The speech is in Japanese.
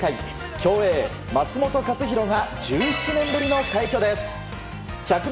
競泳、松元克央が１７年ぶりの快挙です。